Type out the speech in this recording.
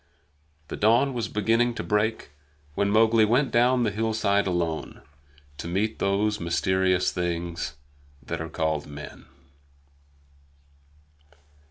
The dawn was beginning to break when Mowgli went down the hillside alone, to meet those mysterious things that are called men.